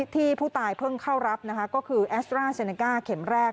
ที่ผู้ตายเพิ่งเข้ารับก็คือแอสตราเซเนก้าเข็มแรก